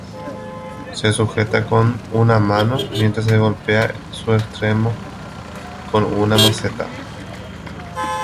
Se sujeta con una mano mientras se golpea su extremo con una maceta.